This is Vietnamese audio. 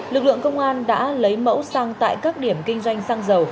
lực lượng công an đã lấy mẫu xăng tại các điểm kinh doanh xăng dầu